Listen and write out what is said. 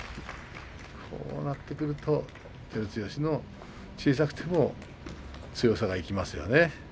こうなってくると照強の小さくても強さが生きますよね。